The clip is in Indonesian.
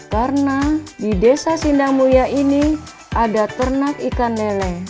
karena di desa sindamuya ini ada ternak ikan lele